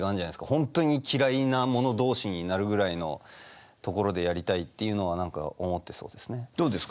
本当に嫌いな者同士になるぐらいのところでやりたいっていうのは何か思ってそうですね。